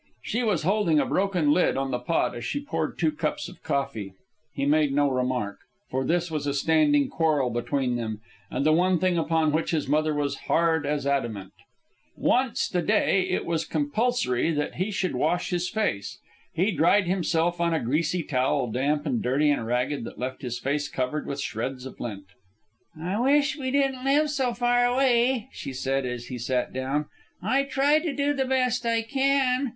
She was holding a broken lid on the pot as she poured two cups of coffee. He made no remark, for this was a standing quarrel between them, and the one thing upon which his mother was hard as adamant. "Wunst" a day it was compulsory that he should wash his face. He dried himself on a greasy towel, damp and dirty and ragged, that left his face covered with shreds of lint. "I wish we didn't live so far away," she said, as he sat down. "I try to do the best I can.